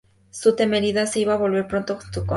Su temeridad se iba a volver pronto en su contra.